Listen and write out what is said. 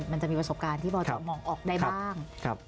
มันจะมีประสบการณ์ที่พอจะมองออกได้บ้าง